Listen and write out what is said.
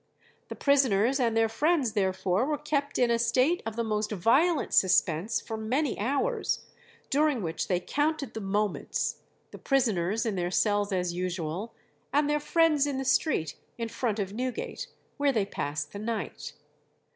"The prisoners and their friends, therefore, were kept in a state of the most violent suspense for many hours, during which they counted the moments the prisoners in their cells as usual, and their friends in the street in front of Newgate, where they passed the night.